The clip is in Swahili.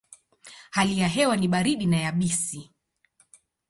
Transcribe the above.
Hali ya hewa ni baridi na yabisi.